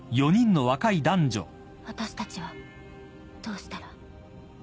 私たちはどうしたら。